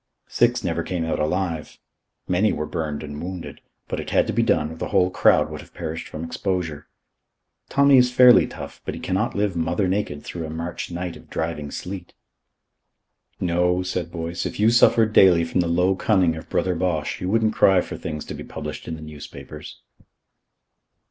Six never came out alive. Many were burned and wounded. But it had to be done, or the whole crowd would have perished from exposure. Tommy is fairly tough; but he cannot live mother naked through a March night of driving sleet. "No," said Boyce, "if you suffered daily from the low cunning of Brother Bosch, you wouldn't cry for things to be published in the newspapers."